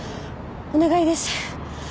お願いです